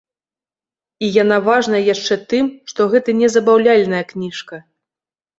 І яна важная яшчэ тым, што гэта не забаўляльная кніжка.